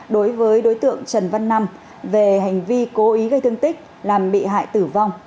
đối với đối tượng trần văn năm về hành vi cố ý gây thương tích làm bị hại tử vong